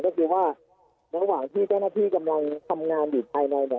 ก็คือว่าระหว่างที่เจ้าหน้าที่กำลังทำงานอยู่ภายในเนี่ย